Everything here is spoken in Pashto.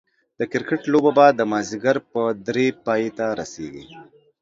د کرکټ لوبه به دا ماځيګر په دري پايي ته رسيږي